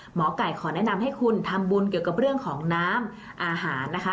หมอไก่ขอแนะนำให้คุณทำบุญเกี่ยวกับเรื่องของน้ำอาหารนะคะ